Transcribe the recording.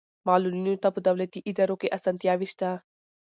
معلولینو ته په دولتي ادارو کې اسانتیاوې شته.